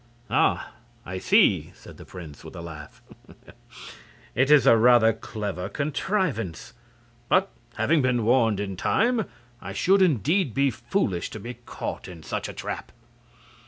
"Ah, I see!" said the prince, with a laugh, "It is a rather clever contrivance; but having been warned in time I should indeed be foolish to be caught in such a trap."